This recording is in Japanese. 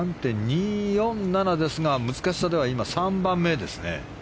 ３．２４７ですが難しさでは３番目ですね。